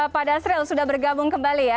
pak dasril sudah bergabung kembali ya